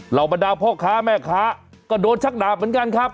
บรรดาพ่อค้าแม่ค้าก็โดนชักดาบเหมือนกันครับ